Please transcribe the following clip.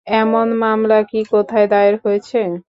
এমন মামলা কি কোথায় দায়ের হয়েছে?